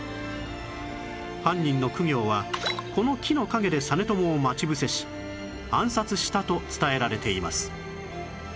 犯人の公暁はこの木の陰で実朝を待ち伏せし暗殺したと伝えられています